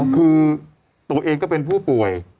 คือตัวเองก็เป็นผู้ป่วย